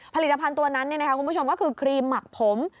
ผลิตภัณฑ์ตัวนั้นคุณผู้ชมก็คือครีมหมักผม